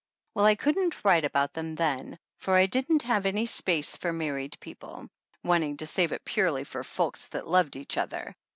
Well, I couldn't write about them then, for I didn't have any space for married people, wanting to save it purely for folks that loved each other.